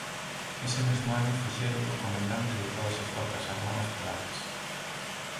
Ese mesmo ano fixérono comandante de todas as forzas armadas polacas.